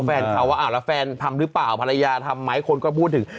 แฟนเขาว่าอ้าวแล้วแฟนทำหรือเปล่าภรรยาทำไหมคนก็พูดถึง